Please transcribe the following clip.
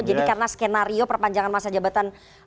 jadi karena skenario perpanjangan masa jabatan